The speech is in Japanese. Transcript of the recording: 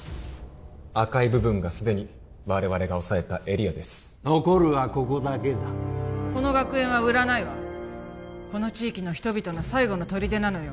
赤い部分がすでに我々が押さえたエリアです残るはここだけだこの学園は売らないわこの地域の人々の最後の砦なのよ